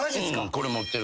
これ持ってる。